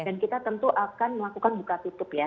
dan kita tentu akan melakukan buka tutup ya